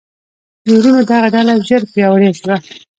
د وروڼو دغه ډله ژر پیاوړې شوه.